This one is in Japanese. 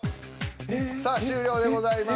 さあ終了でございます。